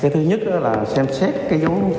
thứ nhất là xem xét cái dấu